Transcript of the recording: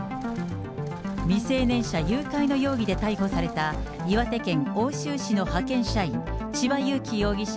未成年者誘拐の容疑で逮捕された岩手県奥州市の派遣社員、千葉裕生容疑者